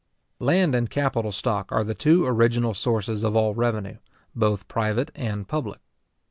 Land and capital stock are the two original sources of all revenue, both private and public.